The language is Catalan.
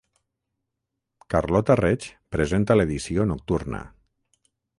Carlota Reig presenta l'edició nocturna.